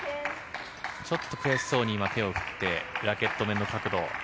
ちょっと悔しそうに今、手を振ってラケット面の角度